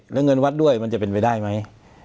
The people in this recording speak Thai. แล้วเงินวัดด้วยมันจะเป็นไปได้ไหม